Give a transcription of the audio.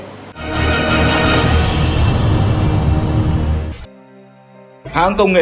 hãng công nghiệp